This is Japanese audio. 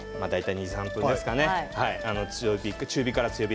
２、３分ですね。